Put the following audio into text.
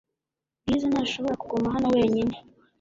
Bwiza ntashobora kuguma hano wenyine .